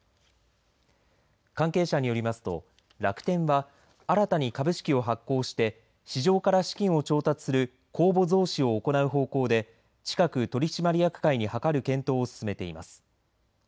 関係者によりますと、楽天は新たに株式を発行して市場から資金を調達する公募増資を行う方向で近く取締役会に諮る検討を進めています。